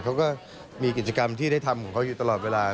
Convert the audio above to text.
เขาก็มีกิจกรรมที่ได้ทำของเขาอยู่ตลอดเวลา